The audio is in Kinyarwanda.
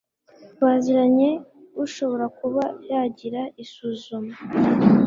baziranye ushobora kuba yagira isuzuma